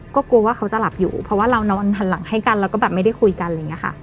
ก็กลัวว่าเขาจะหลับอยู่เพราะว่าเรานอนหันหลังให้กันแล้วก็แบบไม่ได้คุยกันอะไรอย่างนี้ค่ะ